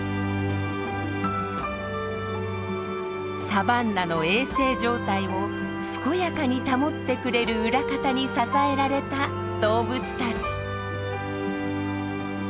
サバンナの衛生状態を健やかに保ってくれる裏方に支えられた動物たち。